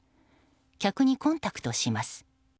客にコンタクトします。